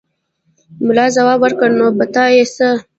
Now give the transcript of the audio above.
ملا ځواب ورکړ: نو په تا يې څه!